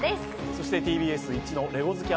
そしてＴＢＳいちのレゴ好き